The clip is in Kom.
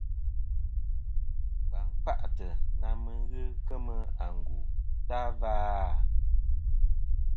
Wa n-kfâʼtɨ̀ na mɨ n-ghɨ kɨmɨ àngù ta va à?